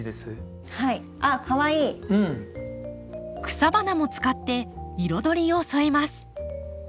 草花も使って彩りを添えます。